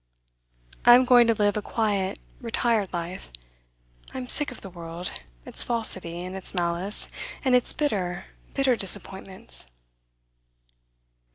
I am going to live a quiet, retired life. I am sick of the world, its falsity, and its malice, and its bitter, bitter disappointments.